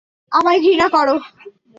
আমায় ঘৃণা করো।